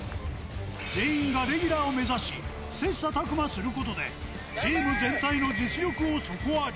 全員がレギュラーを目指し、切さたく磨することで、チーム全体の実力を底上げ。